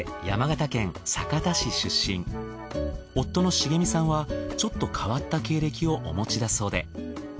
夫の重美さんはちょっと変わった経歴をお持ちだそうで。